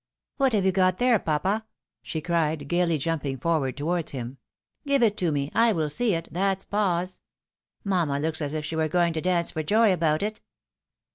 "What have you got there, papa?" she cried, gaily, jumping forward towards him. " Give it to me,' I will see it, that's poz. Mamma looks as if she were going to dance for joy about it."